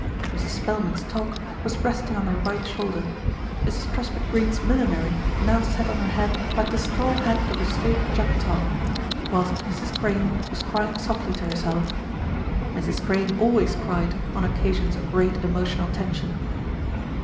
Mrs. Spelman's toque was resting on her right shoulder. Mrs. Truspitt Greene's millinery now sat on her head like the straw hat of a stage Jack Tar, whilst Mrs. Crane was crying softly to herself Mrs. Crane always cried on occasions of great emotional tension.